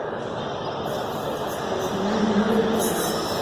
Ҡатынына мөлдөрәп ҡараны.